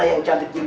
ya apa sih